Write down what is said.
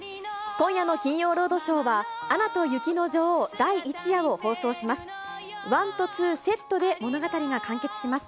今夜の金曜ロードショーは、アナと雪の女王第１夜を放送します。